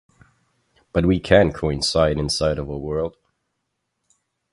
But we can coincide inside of a world.